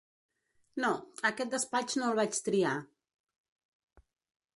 No, aquest despatx no el vaig triar.